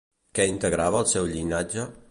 Què integrava el seu llinatge?